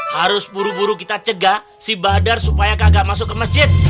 harus buru buru kita cegah si badar supaya kagak masuk ke masjid